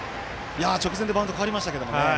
直前でバウンド変わりましたけど。